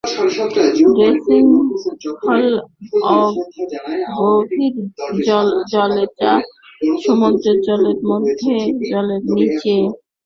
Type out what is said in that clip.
Dredging হ'ল অগভীর জলে বা সমুদ্রের জলের মধ্যে জলের নীচে বা আংশিকভাবে জলের নীচে সম্পন্ন করা খননকার্যের একটি রূপ।